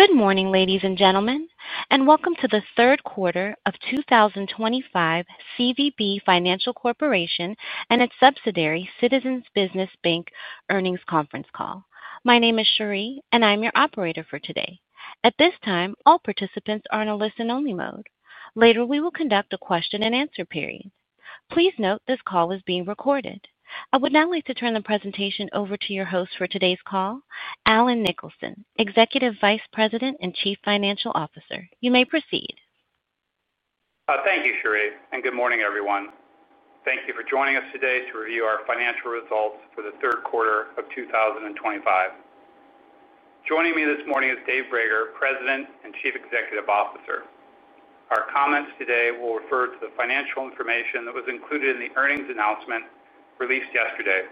Good morning, ladies and gentlemen, and welcome to the third quarter of 2025 CVB Financial Corporation. and its subsidiary Citizens Business Bank earnings conference call. My name is Cheri, and I'm your operator for today. At this time, all participants are in a listen-only mode. Later, we will conduct a question-and-answer period. Please note this call is being recorded. I would now like to turn the presentation over to your host for today's call, Allen Nicholson, Executive Vice President and Chief Financial Officer. You may proceed. Thank you, Cheri, and good morning, everyone. Thank you for joining us today to review our financial results for the third quarter of 2025. Joining me this morning is Dave Brager, President and Chief Executive Officer. Our comments today will refer to the financial information that was included in the earnings announcement released yesterday.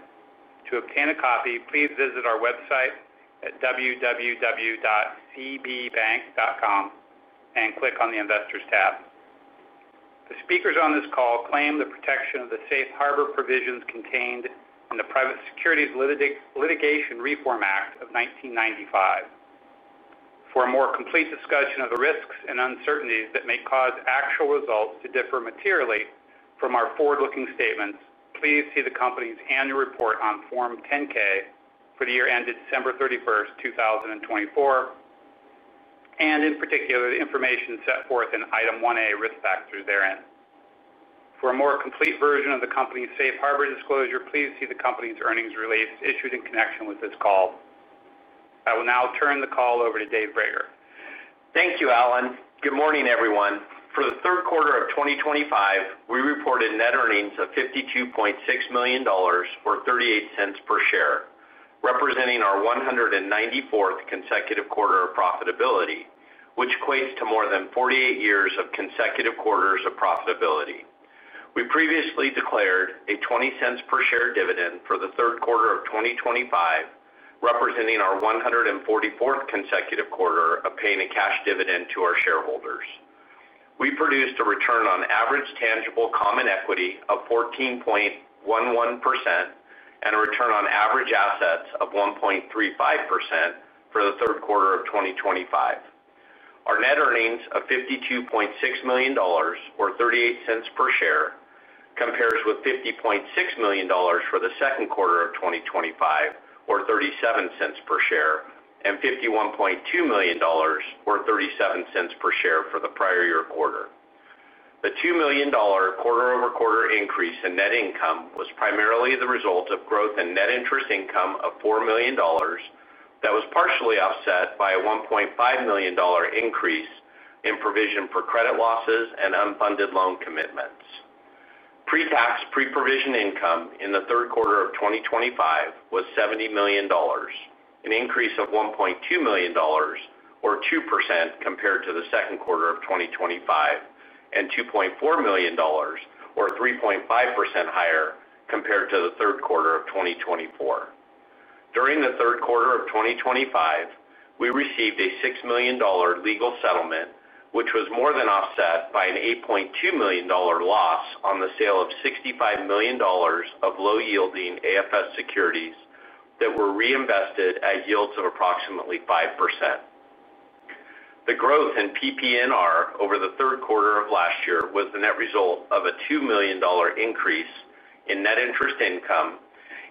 To obtain a copy, please visit our website at www.cbbank.com and click on the Investors tab. The speakers on this call claim the protection of the Safe Harbor provisions contained in the Private Securities Litigation Reform Act of 1995. For a more complete discussion of the risks and uncertainties that may cause actual results to differ materially from our forward-looking statements, please see the company's annual report on Form 10-K for the year ended December 31, 2024, and in particular, the information set forth in Item 1A Risk Factors therein. For a more complete version of the company's Safe Harbor disclosure, please see the company's earnings release issued in connection with this call. I will now turn the call over to Dave Brager. Thank you, Allen. Good morning, everyone. For the third quarter of 2025, we reported net earnings of $52.6 million or $0.38 per share, representing our 194th consecutive quarter of profitability, which equates to more than 48 years of consecutive quarters of profitability. We previously declared a $0.20 per share dividend for the third quarter of 2025, representing our 144th consecutive quarter of paying a cash dividend to our shareholders. We produced a return on average tangible common equity of 14.11% and a return on average assets of 1.35% for the third quarter of 2025. Our net earnings of $52.6 million or $0.38 per share compare with $50.6 million for the second quarter of 2025, or $0.37 per share, and $51.2 million or $0.37 per share for the prior year quarter. The $2 million quarter-over-quarter increase in net income was primarily the result of growth in net interest income of $4 million that was partially offset by a $1.5 million increase in provision for credit losses and unfunded loan commitments. Pre-tax pre-provision income in the third quarter of 2025 was $70 million, an increase of $1.2 million or 2% compared to the second quarter of 2025, and $2.4 million or 3.5% higher compared to the third quarter of 2024. During the third quarter of 2025, we received a $6 million legal settlement, which was more than offset by an $8.2 million loss on the sale of $65 million of low-yielding AFS securities that were reinvested at yields of approximately 5%. The growth in PP&R over the third quarter of last year was the net result of a $2 million increase in net interest income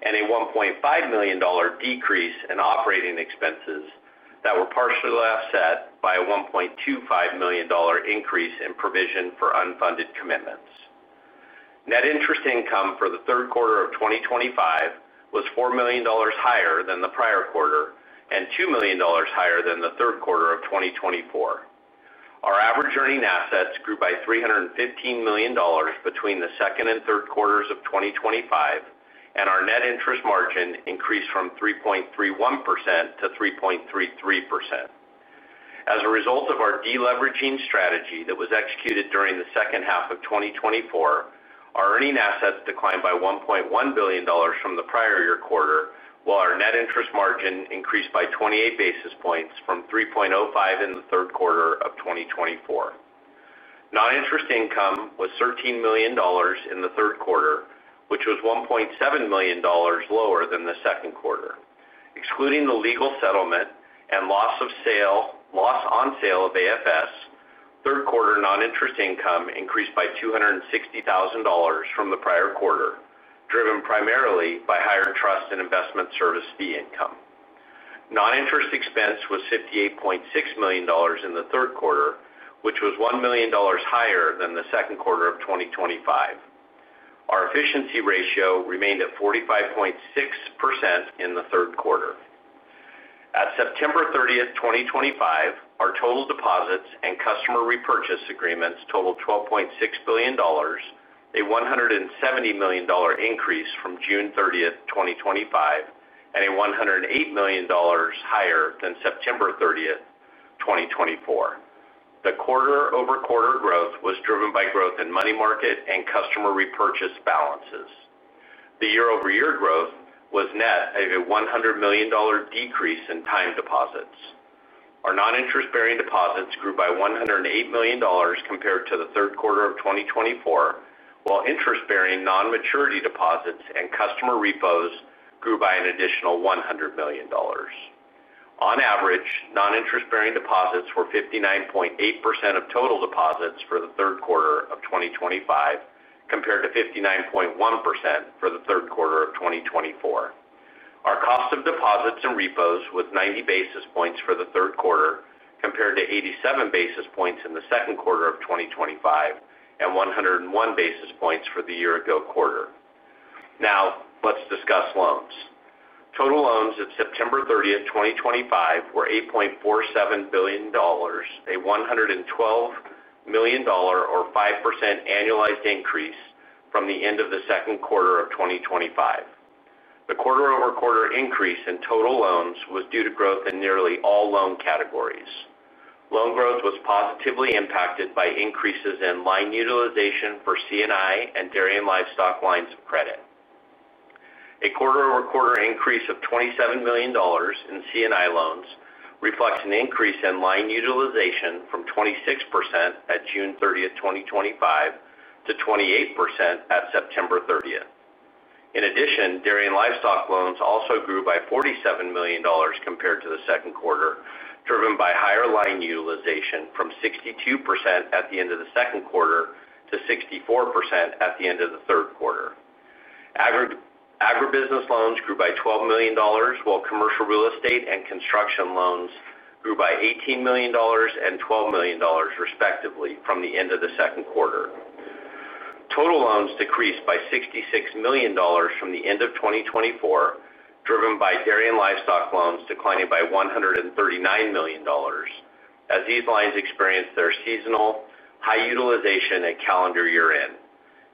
and a $1.5 million decrease in operating expenses that were partially offset by a $1.25 million increase in provision for unfunded commitments. Net interest income for the third quarter of 2025 was $4 million higher than the prior quarter and $2 million higher than the third quarter of 2024. Our average earning assets grew by $315 million between the second and third quarters of 2025, and our net interest margin increased from 3.31%-3.33%. As a result of our deleveraging strategy that was executed during the second half of 2024, our earning assets declined by $1.1 billion from the prior year quarter, while our net interest margin increased by 28 basis points from 3.05% in the third quarter of 2024. Noninterest income was $13 million in the third quarter, which was $1.7 million lower than the second quarter. Excluding the legal settlement and loss on sale of AFS, third quarter noninterest income increased by $260,000 from the prior quarter, driven primarily by higher trust and investment service fee income. Noninterest expense was $58.6 million in the third quarter, which was $1 million higher than the second quarter of 2025. Our efficiency ratio remained at 45.6% in the third quarter. At September 30, 2025, our total deposits and customer repurchase agreements totaled $12.6 billion, a $170 million increase from June 30, 2025, and $108 million higher than September 30th, 2024. The quarter-over-quarter growth was driven by growth in money market and customer repurchase balances. The year-over-year growth was net of a $100 million decrease in time deposits. Our noninterest-bearing deposits grew by $108 million compared to the third quarter of 2024, while interest-bearing non-maturity deposits and customer repos grew by an additional $100 million. On average, noninterest-bearing deposits were 59.8% of total deposits for the third quarter of 2025 compared to 59.1% for the third quarter of 2024. Our cost of deposits and repos was 90 basis points for the third quarter compared to 87 basis points in the second quarter of 2025 and 101 basis points for the year-ago quarter. Now, let's discuss loans. Total loans at September 30th, 2025 were $8.47 billion, a $112 million or 5% annualized increase from the end of the second quarter of 2025. The quarter-over-quarter increase in total loans was due to growth in nearly all loan categories. Loan growth was positively impacted by increases in line utilization for C&I and dairy and livestock lines of credit. A quarter-over-quarter increase of $27 million in C&I loans reflects an increase in line utilization from 26% at June 30th, 2025 to 28% at September 30. In addition, dairy and livestock loans also grew by $47 million compared to the second quarter, driven by higher line utilization from 62% at the end of the second quarter to 64% at the end of the third quarter. Agribusiness loans grew by $12 million, while commercial real estate and construction loans grew by $18 million and $12 million, respectively, from the end of the second quarter. Total loans decreased by $66 million from the end of 2024, driven by dairy and livestock loans declining by $139 million, as these lines experienced their seasonal high utilization at calendar year end.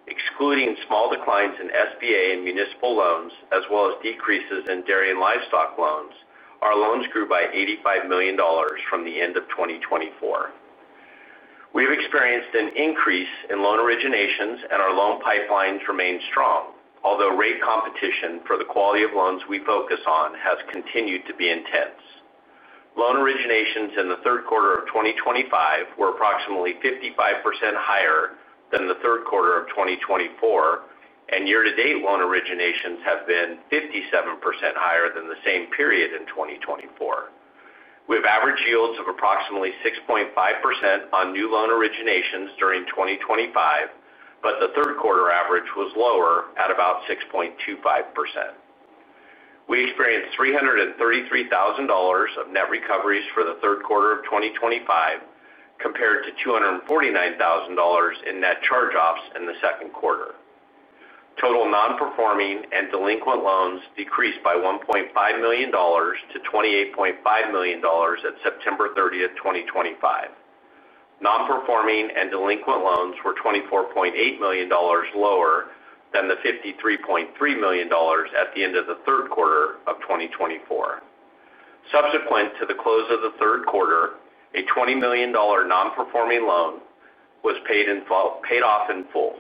Excluding small declines in SBA and municipal loans, as well as decreases in dairy and livestock loans, our loans grew by $85 million from the end of 2024. We have experienced an increase in loan originations, and our loan pipelines remain strong, although rate competition for the quality of loans we focus on has continued to be intense. Loan originations in the third quarter of 2025 were approximately 55% higher than the third quarter of 2024, and year-to-date loan originations have been 57% higher than the same period in 2024. We have average yields of approximately 6.5% on new loan originations during 2025, but the third quarter average was lower at about 6.25%. We experienced $333,000 of net recoveries for the third quarter of 2025 compared to $249,000 in net charge-offs in the second quarter. Total non-performing and delinquent loans decreased by $1.5 million-$28.5 million at September 30, 2025. Non-performing and delinquent loans were $24.8 million lower than the $53.3 million at the end of the third quarter of 2024. Subsequent to the close of the third quarter, a $20 million non-performing loan was paid off in full.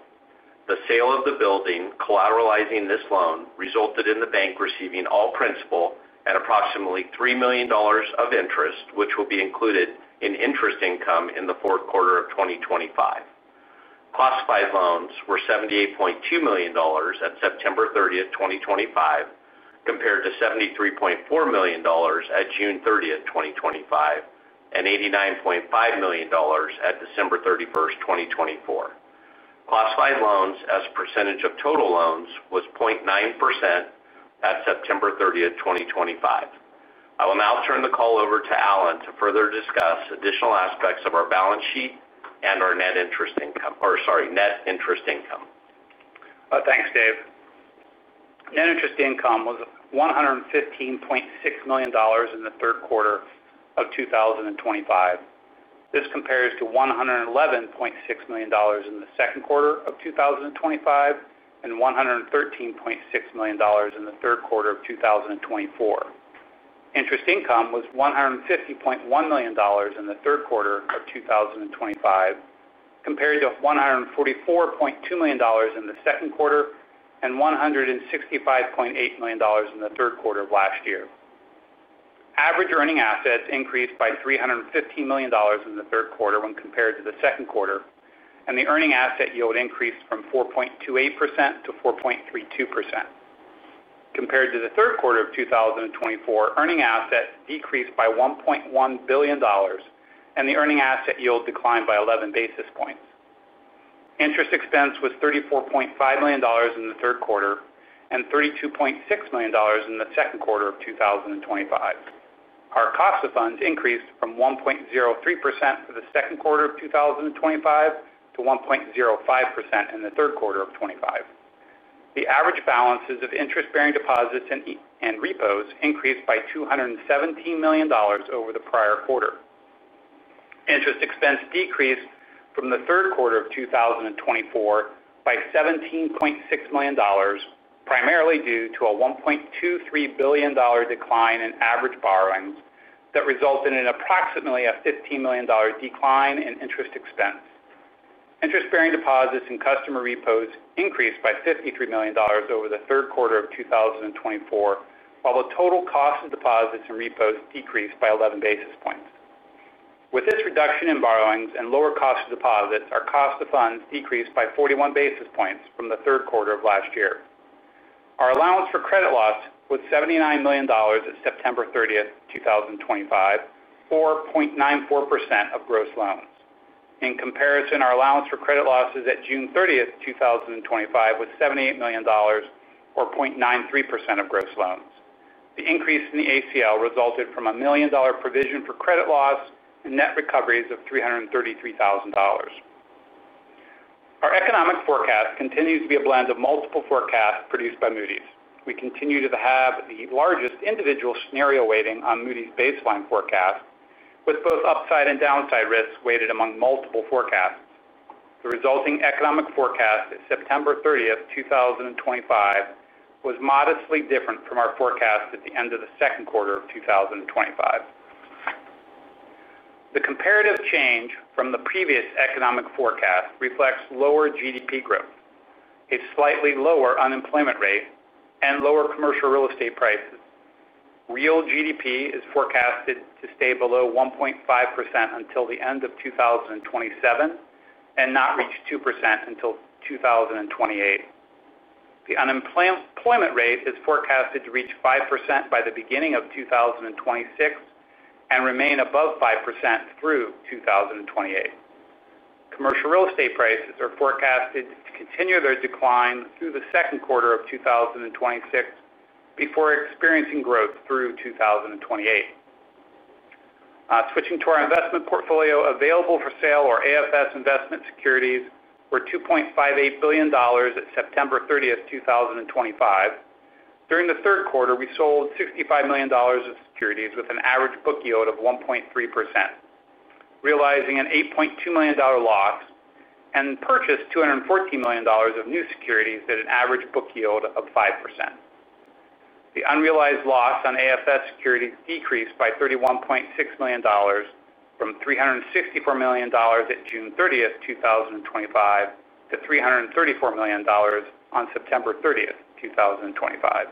The sale of the building collateralizing this loan resulted in the bank receiving all principal and approximately $3 million of interest, which will be included in interest income in the fourth quarter of 2025. Classified loans were $78.2 million at September 30th, 2025, compared to $73.4 million at June 30, 2025, and $89.5 million at December 31, 2024. Classified loans as a percentage of total loans was 0.9% at September 30th, 2025. I will now turn the call over to Allen to further discuss additional aspects of our balance sheet and our net interest income. Thanks, Dave. Net interest income was $115.6 million in the third quarter of 2025. This compares to $111.6 million in the second quarter of 2025 and $113.6 million in the third quarter of 2024. Interest income was $150.1 million in the third quarter of 2025, compared to $144.2 million in the second quarter and $165.8 million in the third quarter of last year. Average earning assets increased by $315 million in the third quarter when compared to the second quarter, and the earning asset yield increased from 4.28%-4.32%. Compared to the third quarter of 2024, earning assets decreased by $1.1 billion, and the earning asset yield declined by 11 basis points. Interest expense was $34.5 million in the third quarter and $32.6 million in the second quarter of 2025. Our cost of funds increased from 1.03% for the second quarter of 2025 to 1.05% in the third quarter of 2025. The average balances of interest-bearing deposits and repos increased by $217 million over the prior quarter. Interest expense decreased from the third quarter of 2024 by $17.6 million, primarily due to a $1.23 billion decline in average borrowings that resulted in approximately a $15 million decline in interest expense. Interest-bearing deposits and customer repos increased by $53 million over the third quarter of 2024, while the total cost of deposits and repos decreased by 11 basis points. With this reduction in borrowings and lower cost of deposits, our cost of funds decreased by 41 basis points from the third quarter of last year. Our allowance for credit loss was $79 million at September 30th, 2025, or 0.94% of gross loans. In comparison, our allowance for credit losses at June 30, 2025 was $78 million, or 0.93% of gross loans. The increase in the ACL resulted from a $1 million provision for credit loss and net recoveries of $333,000. Our economic forecast continues to be a blend of multiple forecasts produced by Moody's. We continue to have the largest individual scenario weighting on Moody's baseline forecast, with both upside and downside risks weighted among multiple forecasts. The resulting economic forecast at September 30, 2025, was modestly different from our forecast at the end of the second quarter of 2025. The comparative change from the previous economic forecast reflects lower GDP growth, a slightly lower unemployment rate, and lower commercial real estate prices. Real GDP is forecasted to stay below 1.5% until the end of 2027 and not reach 2% until 2028. The unemployment rate is forecasted to reach 5% by the beginning of 2026 and remain above 5% through 2028. Commercial real estate prices are forecasted to continue their decline through the second quarter of 2026 before experiencing growth through 2028. Switching to our investment portfolio available for sale, or AFS, investment securities were $2.58 billion at September 30, 2025. During the third quarter, we sold $65 million of securities with an average book yield of 1.3%, realizing an $8.2 million loss, and purchased $214 million of new securities at an average book yield of 5%. The unrealized loss on AFS securities decreased by $31.6 million from $364 million at June 30th, 2025 to $334 million on September 30th, 2025.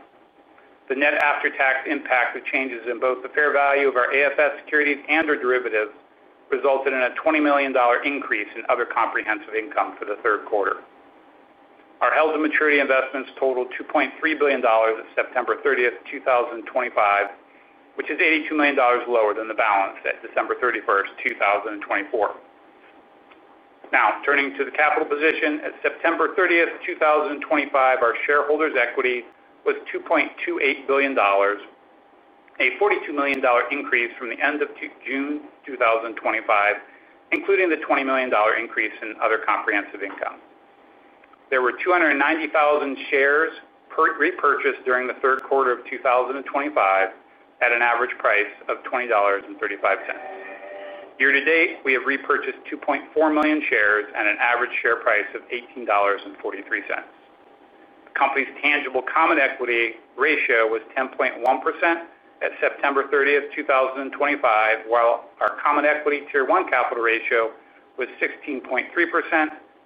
The net after-tax impact of changes in both the fair value of our AFS securities and our derivatives resulted in a $20 million increase in other comprehensive income for the third quarter. Our held to maturity investments totaled $2.3 billion at September 30th, 2025, which is $82 million lower than the balance at December 31st, 2024. Now, turning to the capital position at September 30th, 2025, our shareholders' equity was $2.28 billion, a $42 million increase from the end of June 2025, including the $20 million increase in other comprehensive income. There were 290,000 shares repurchased during the third quarter of 2025 at an average price of $20.35. Year to date, we have repurchased 2.4 million shares at an average share price of $18.43. The company's tangible common equity ratio was 10.1% at September 30, 2025, while our common equity tier one capital ratio was 16.3%,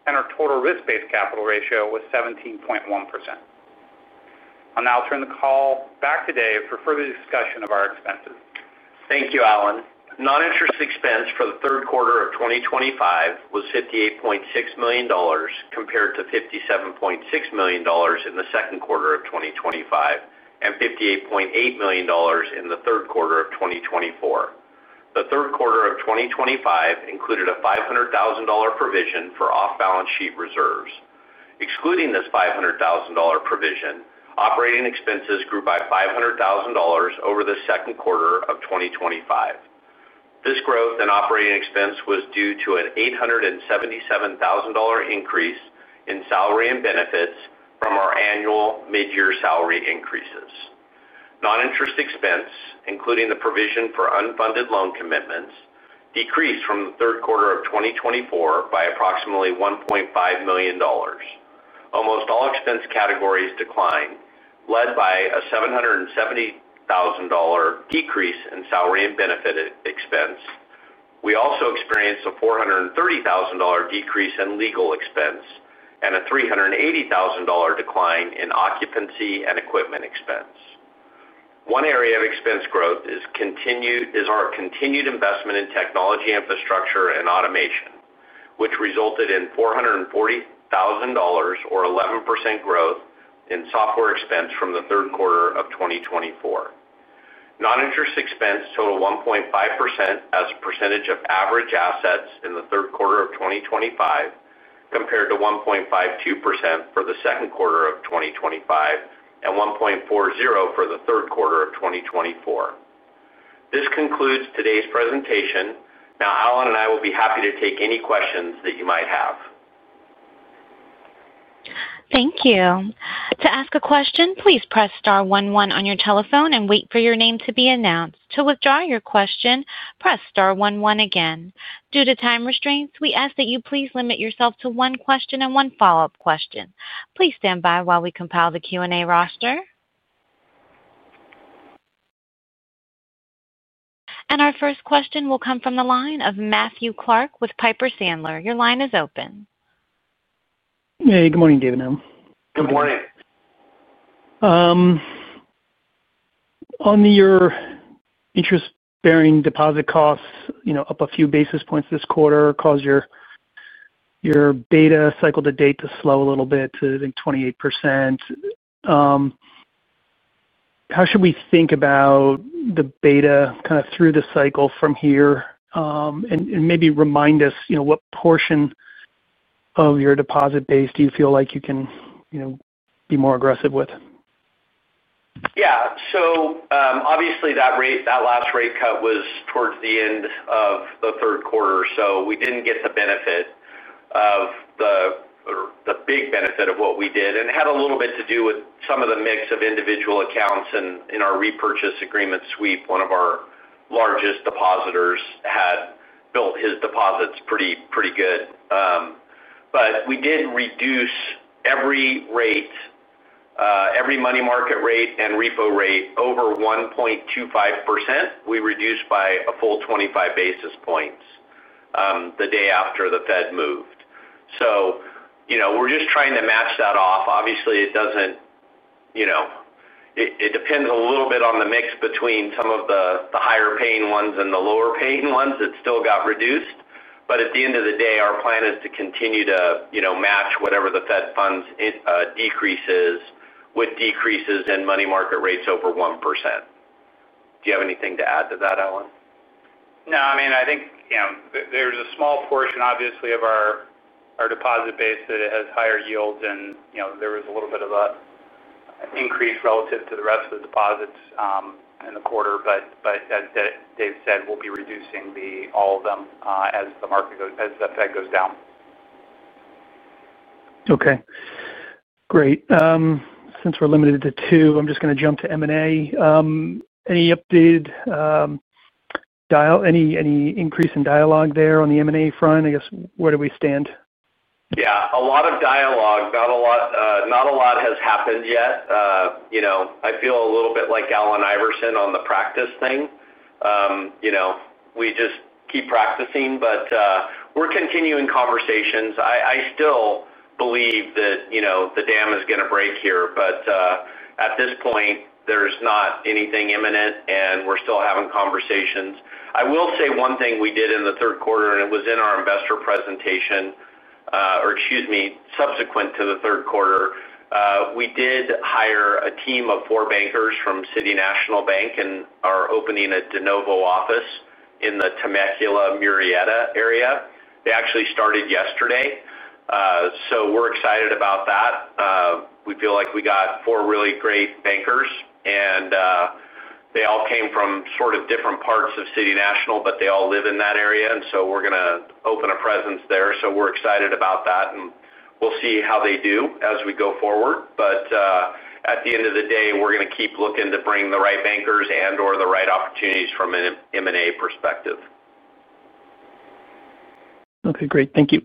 and our total risk-based capital ratio was 17.1%. I'll now turn the call back to Dave for further discussion of our expenses. Thank you, Allen. Noninterest expense for the third quarter of 2025 was $58.6 million compared to $57.6 million in the second quarter of 2025 and $58.8 million in the third quarter of 2024. The third quarter of 2025 included a $500,000 provision for off-balance sheet reserves. Excluding this $500,000 provision, operating expenses grew by $500,000 over the second quarter of 2025. This growth in operating expense was due to an $877,000 increase in salary and benefits from our annual mid-year salary increases. Noninterest expense, including the provision for unfunded loan commitments, decreased from the third quarter of 2024 by approximately $1.5 million. Almost all expense categories declined, led by a $770,000 decrease in salary and benefit expense. We also experienced a $430,000 decrease in legal expense and a $380,000 decline in occupancy and equipment expense. One area of expense growth is our continued investment in technology infrastructure and automation, which resulted in $440,000 or 11% growth in software expense from the third quarter of 2024. Noninterest expense totaled 1.5% as a percentage of average assets in the third quarter of 2025, compared to 1.52% for the second quarter of 2025 and 1.40% for the third quarter of 2024. This concludes today's presentation. Now, Allen and I will be happy to take any questions that you might have. Thank you. To ask a question, please press star one one on your telephone and wait for your name to be announced. To withdraw your question, press star one one again. Due to time restraints, we ask that you please limit yourself to one question and one follow-up question. Please stand by while we compile the Q&A roster. Our first question will come from the line of Matthew Clark with Piper Sandler. Your line is open. Hey, good morning, Dave. Good morning. On your interest-bearing deposit costs, you know, up a few basis points this quarter caused your beta cycle to date to slow a little bit to, I think, 28%. How should we think about the beta kind of through the cycle from here? And maybe remind us, you know, what portion of your deposit base do you feel like you can, you know, be more aggressive with? Yeah. Obviously, that last rate cut was towards the end of the third quarter, so we didn't get the benefit of the, or the big benefit of what we did. It had a little bit to do with some of the mix of individual accounts in our repurchase agreement sweep. One of our largest depositors had built his deposits pretty good. We did reduce every rate, every money market rate and repo rate over 1.25%. We reduced by a full 25 basis points the day after the Fed moved. We're just trying to match that off. Obviously, it depends a little bit on the mix between some of the higher-paying ones and the lower-paying ones that still got reduced. At the end of the day, our plan is to continue to match whatever the Fed funds decreases with decreases in money market rates over 1%.Do you have anything to add to that, Allen? I think there's a small portion, obviously, of our deposit base that has higher yields, and there was a little bit of an increase relative to the rest of the deposits in the quarter. As Dave said, we'll be reducing all of them as the market goes, as the Fed goes down. Okay. Great. Since we're limited to two, I'm just going to jump to M&A. Any update, any increase in dialogue there on the M&A front? I guess, where do we stand? Yeah. A lot of dialogue, not a lot has happened yet. I feel a little bit like Allen Iverson on the practice thing. We just keep practicing, but we're continuing conversations. I still believe that the dam is going to break here, but at this point, there's not anything imminent, and we're still having conversations. I will say one thing we did in the third quarter, and it was in our investor presentation, or excuse me, subsequent to the third quarter. We did hire a team of four bankers from City National Bank and are opening a de novo office in the Temecula-Murrieta area. They actually started yesterday. We're excited about that. We feel like we got four really great bankers, and they all came from different parts of City National, but they all live in that area. We are going to open a presence there, so we're excited about that. We'll see how they do as we go forward. At the end of the day, we're going to keep looking to bring the right bankers and/or the right opportunities from an M&A perspective. Okay. Great. Thank you.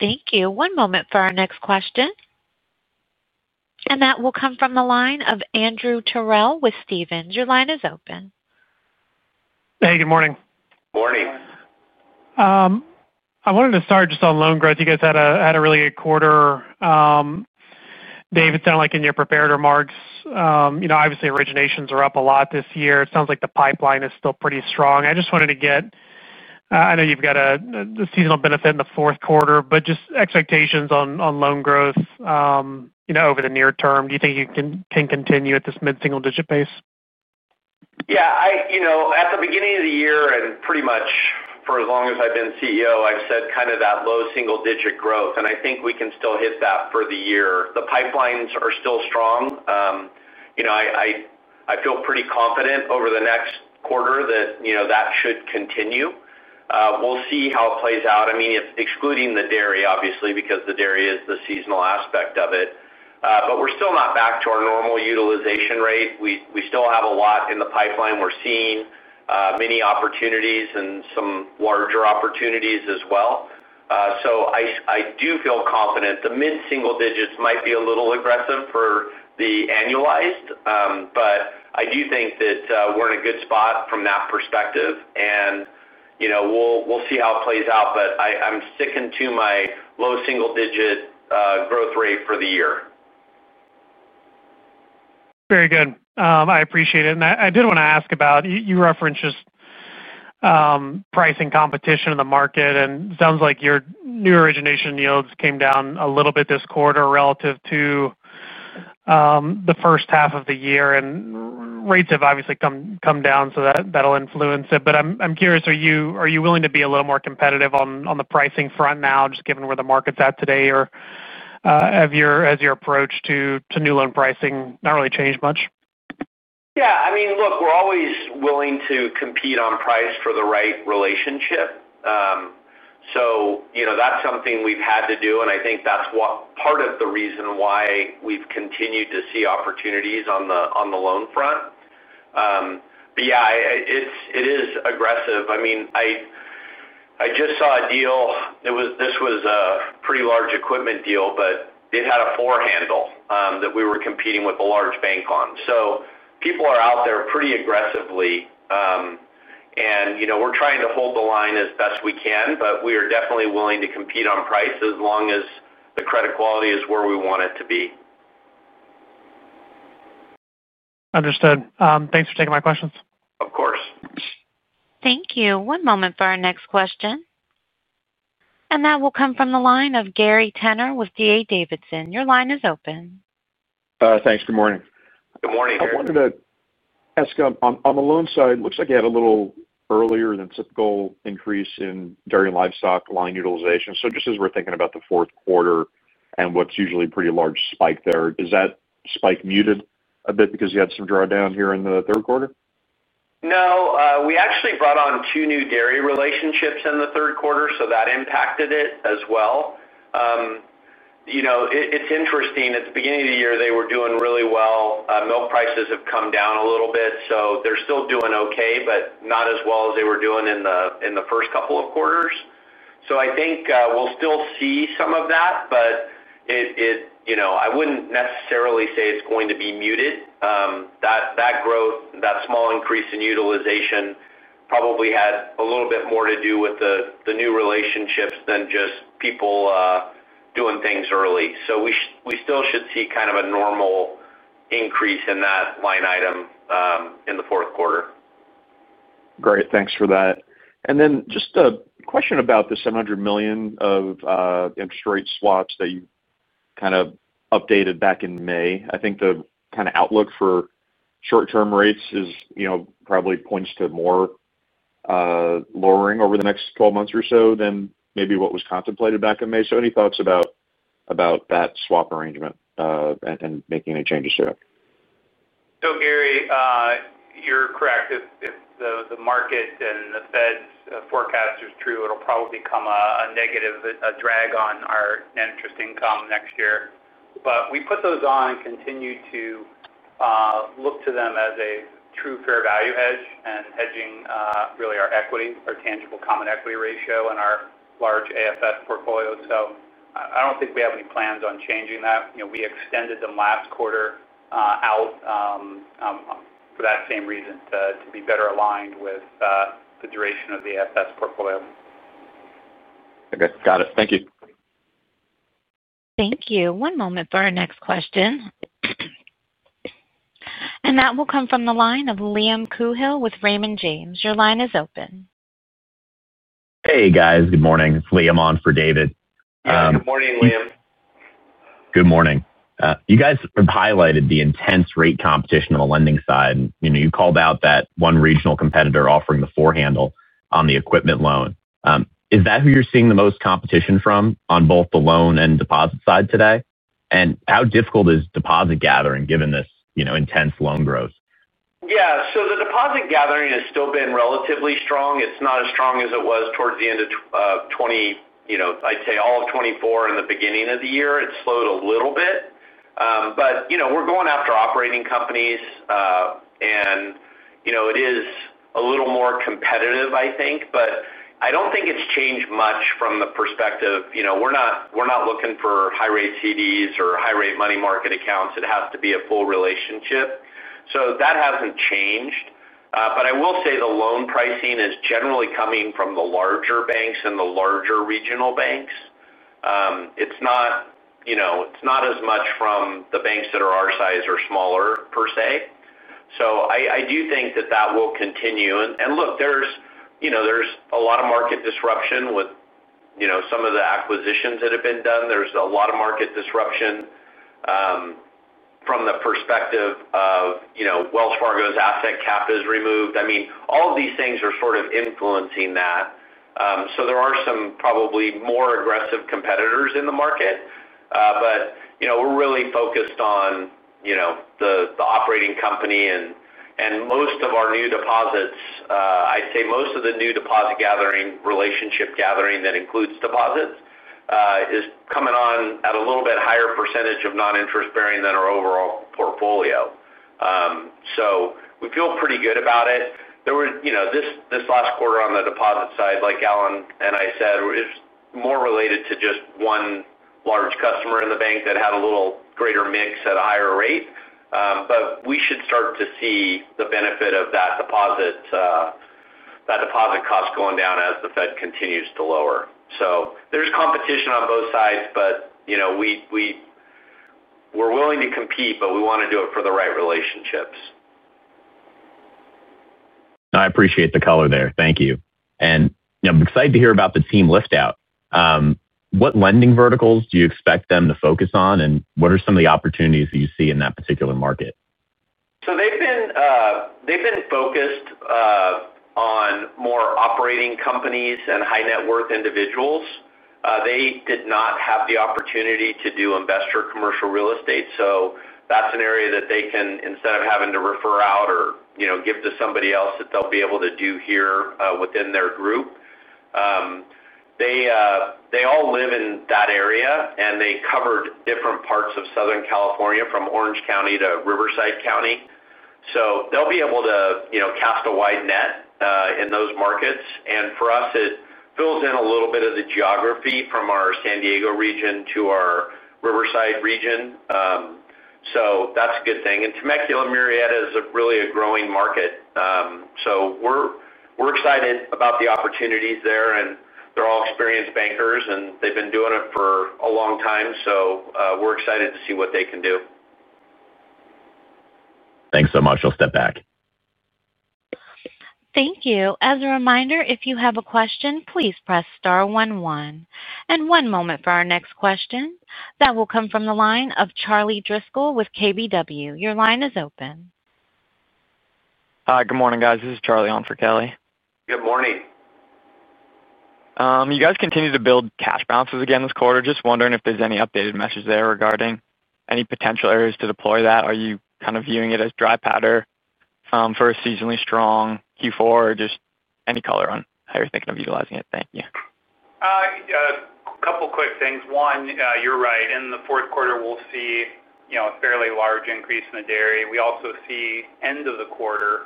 Thank you. One moment for our next question. That will come from the line of Andrew Terrell with Stephens. Your line is open. Hey, good morning. Morning. I wanted to start just on loan growth. You guys had a really good quarter. David, it sounded like in your preparatory marks, you know, obviously, originations are up a lot this year. It sounds like the pipeline is still pretty strong. I just wanted to get, I know you've got a seasonal benefit in the fourth quarter, but just expectations on loan growth, you know, over the near term. Do you think you can continue at this mid-single-digit pace? Yeah. At the beginning of the year, and pretty much for as long as I've been CEO, I've said kind of that low single-digit growth. I think we can still hit that for the year. The pipelines are still strong. I feel pretty confident over the next quarter that should continue. We'll see how it plays out. I mean, excluding the dairy, obviously, because the dairy is the seasonal aspect of it. We're still not back to our normal utilization rate. We still have a lot in the pipeline. We're seeing many opportunities and some larger opportunities as well. I do feel confident. The mid-single digits might be a little aggressive for the annualized, but I do think that we're in a good spot from that perspective. We'll see how it plays out, but I'm sticking to my low single-digit growth rate for the year. Very good. I appreciate it. I did want to ask about, you referenced just pricing competition in the market, and it sounds like your new origination yields came down a little bit this quarter relative to the first half of the year. Rates have obviously come down, so that'll influence it. I'm curious, are you willing to be a little more competitive on the pricing front now, just given where the market's at today? Have your, has your approach to new loan pricing not really changed much? Yeah. I mean, look, we're always willing to compete on price for the right relationship. That's something we've had to do, and I think that's part of the reason why we've continued to see opportunities on the loan front. It is aggressive. I just saw a deal. This was a pretty large equipment deal, but it had a floor handle that we were competing with a large bank on. People are out there pretty aggressively. We're trying to hold the line as best we can, but we are definitely willing to compete on price as long as the credit quality is where we want it to be. Understood. Thanks for taking my questions. Of course. Thank you. One moment for our next question. That will come from the line of Gary Tenner with D.A. Davidson. Your line is open. Thanks. Good morning. Good morning, Dave. I wanted to ask you on the loan side, it looks like you had a little earlier than typical increase in dairy and livestock line utilization. Just as we're thinking about the fourth quarter and what's usually a pretty large spike there, is that spike muted a bit because you had some drawdown here in the third quarter? No, we actually brought on two new dairy relationships in the third quarter, so that impacted it as well. It's interesting. At the beginning of the year, they were doing really well. Milk prices have come down a little bit, so they're still doing okay, but not as well as they were doing in the first couple of quarters. I think we'll still see some of that, but I wouldn't necessarily say it's going to be muted. That growth, that small increase in utilization, probably had a little bit more to do with the new relationships than just people doing things early. We still should see kind of a normal increase in that line item in the fourth quarter. Great, thanks for that. Just a question about the $700 million of interest rate swaps that you updated back in May. I think the outlook for short-term rates probably points to more lowering over the next 12 months or so than maybe what was contemplated back in May. Any thoughts about that swap arrangement and making any changes to it? Gary, you're correct. If the market and the Fed's forecast is true, it'll probably become a negative, a drag on our net interest income next year. We put those on and continue to look to them as a true fair value hedge and hedging, really our equity, our tangible common equity ratio, and our large AFS portfolio. I don't think we have any plans on changing that. We extended them last quarter for that same reason, to be better aligned with the duration of the AFS portfolio. Okay. Got it. Thank you. Thank you. One moment for our next question. That will come from the line of Liam Coohill with Raymond James. Your line is open. Hey, guys. Good morning. It's Liam on for David. Hey, good morning, Liam. Good morning. You guys have highlighted the intense rate competition on the lending side. You called out that one regional competitor offering the floor handle on the equipment loan. Is that who you're seeing the most competition from on both the loan and deposit side today? How difficult is deposit gathering given this intense loan growth? Yeah. The deposit gathering has still been relatively strong. It's not as strong as it was towards the end of 2024 and the beginning of the year. It slowed a little bit, but we're going after operating companies, and it is a little more competitive, I think. I don't think it's changed much from the perspective, we're not looking for high-rate CDs or high-rate money market accounts. It has to be a full relationship. That hasn't changed. I will say the loan pricing is generally coming from the larger banks and the larger regional banks. It's not as much from the banks that are our size or smaller, per se. I do think that will continue. Look, there's a lot of market disruption with some of the acquisitions that have been done. There's a lot of market disruption from the perspective of Wells Fargo's asset cap is removed. All of these things are sort of influencing that. There are some probably more aggressive competitors in the market. We're really focused on the operating company. Most of our new deposits, I'd say most of the new deposit gathering, relationship gathering that includes deposits, is coming on at a little bit higher percentage of noninterest-bearing than our overall portfolio. We feel pretty good about it. There were, this last quarter on the deposit side, like Allen and I said, it was more related to just one large customer in the bank that had a little greater mix at a higher rate. We should start to see the benefit of that deposit cost going down as the Fed continues to lower. There's competition on both sides, but we're willing to compete, but we want to do it for the right relationships. I appreciate the color there. Thank you. I'm excited to hear about the team liftout. What lending verticals do you expect them to focus on, and what are some of the opportunities that you see in that particular market? They've been focused on more operating companies and high-net-worth individuals. They did not have the opportunity to do investor commercial real estate. That's an area that they can, instead of having to refer out or give to somebody else, they'll be able to do here within their group. They all live in that area, and they covered different parts of Southern California from Orange County to Riverside County. They'll be able to cast a wide net in those markets. For us, it fills in a little bit of the geography from our San Diego region to our Riverside region. That's a good thing. Temecula-Murrieta is really a growing market. We're excited about the opportunities there. They're all experienced bankers, and they've been doing it for a long time. We're excited to see what they can do. Thanks so much. I'll step back. Thank you. As a reminder, if you have a question, please press star one one. One moment for our next question. That will come from the line of Charlie Driscoll with KBW. Your line is open. Hi. Good morning, guys. This is Charlie on for Kelly. Good morning. You guys continue to build cash balances again this quarter. Just wondering if there's any updated message there regarding any potential areas to deploy that. Are you kind of viewing it as dry powder for a seasonally strong Q4, or just any color on how you're thinking of utilizing it? Thank you. A couple quick things. One, you're right. In the fourth quarter, we'll see a fairly large increase in the dairy. We also see end of the quarter,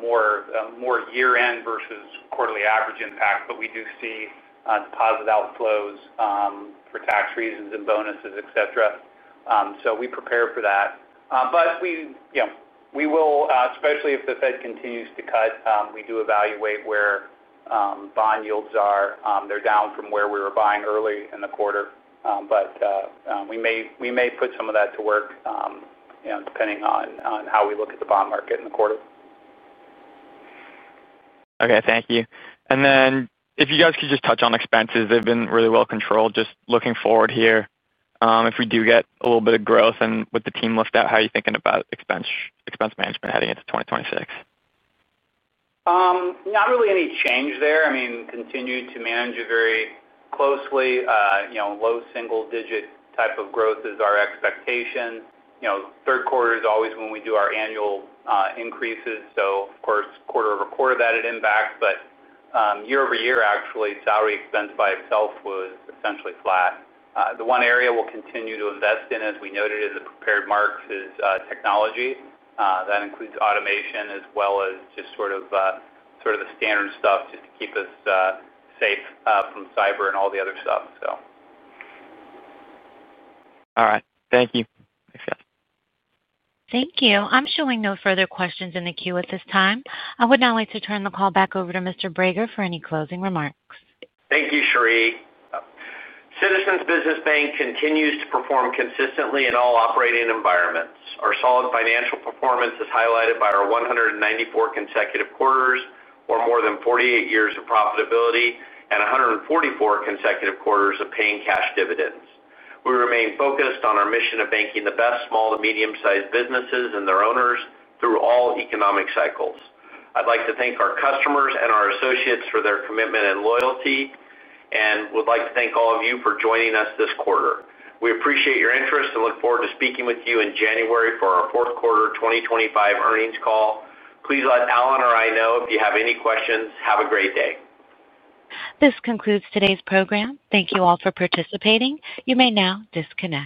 more year-end versus quarterly average impact. We do see deposit outflows for tax reasons and bonuses, etc., so we prepare for that. We will, especially if the Fed continues to cut, evaluate where bond yields are. They're down from where we were buying early in the quarter, but we may put some of that to work, depending on how we look at the bond market in the quarter. Thank you. If you guys could just touch on expenses. They've been really well controlled. Just looking forward here, if we do get a little bit of growth and with the team liftout, how are you thinking about expense, expense management heading into 2026? Not really any change there. I mean, continue to manage it very closely. You know, low single-digit type of growth is our expectation. Third quarter is always when we do our annual increases. Of course, quarter over quarter, that had impact. Year-over-year, actually, salary expense by itself was essentially flat. The one area we'll continue to invest in, as we noted in the prepared marks, is technology. That includes automation as well as just sort of the standard stuff just to keep us safe from cyber and all the other stuff. All right. Thank you. Thanks, guys. Thank you. I'm showing no further questions in the queue at this time. I would now like to turn the call back over to Mr. Brager for any closing remarks. Thank you, Cheri. Citizens Business Bank continues to perform consistently in all operating environments. Our solid financial performance is highlighted by our 194 consecutive quarters, or more than 48 years of profitability, and 144 consecutive quarters of paying cash dividends. We remain focused on our mission of banking the best small to medium-sized businesses and their owners through all economic cycles. I'd like to thank our customers and our associates for their commitment and loyalty and would like to thank all of you for joining us this quarter. We appreciate your interest and look forward to speaking with you in January for our fourth quarter 2025 earnings call. Please let Allen or me know if you have any questions. Have a great day. This concludes today's program. Thank you all for participating. You may now disconnect.